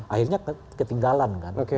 akhirnya ketinggalan kan